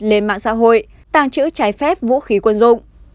lên mạng xã hội tàng trữ trái phép vũ khí quân dụng